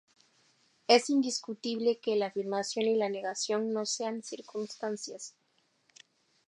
Es discutible que la afirmación y la negación no sean circunstancias.